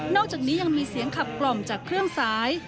อกจากนี้ยังมีเสียงขับกล่อมจากเครื่องสาย